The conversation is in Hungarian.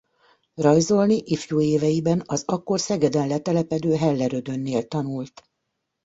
Rajzolni ifjú éveiben az akkor Szegeden letelepedő Heller Ödönnél tanult.